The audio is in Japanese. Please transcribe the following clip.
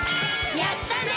やったね！